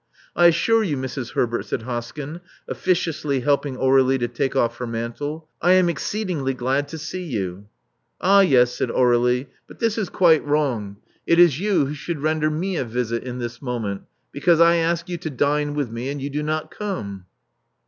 I assure you, Mrs. Herbert,*' said Hoskyn, officiously helping Aur^lie to take off her mantle, ! am exceedingly glad to see you." Ah, yes," said Aur^lie; but this is quite wrong. 434 Love Among the Artists It is yon who should render me a visit in this moment^ because I ask you to dine with me ; and you do not come.